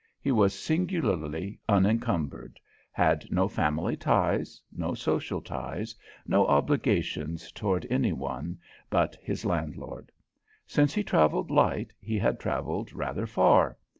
He was singularly unencumbered; had no family duties, no social ties, no obligations toward any one but his landlord. Since he travelled light, he had travelled rather far.